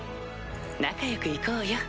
仲よくいこうよ。